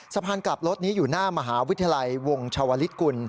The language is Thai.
สะพานกลับรถนี่อยู่หน้ามหาวุทธลัยวงศ์ชาวริกุล